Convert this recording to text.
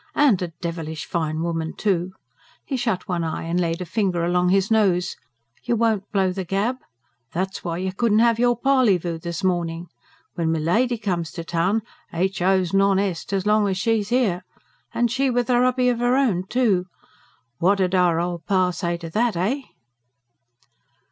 And a devilish fine woman, too!" He shut one eye and laid a finger along his nose. "You won't blow the gab? that's why you couldn't have your parleyvoo this morning. When milady comes to town H. O.'s NON EST as long as she's here. And she with a hubby of her own, too! What 'ud our old pa say to that, eh?"